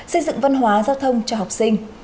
xây dựng văn hóa giao thông cho học sinh